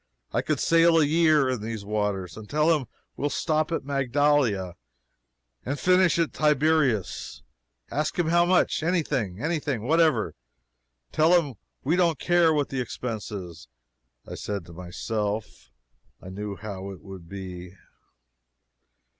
I could sail a year in these waters! and tell him we'll stop at Magdala and finish at Tiberias! ask him how much? any thing any thing whatever! tell him we don't care what the expense is!" [I said to myself, I knew how it would be.